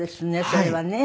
それはね。